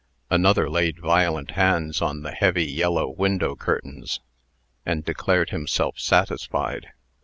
Another laid violent hands on the heavy yellow window curtains, and declared himself satisfied.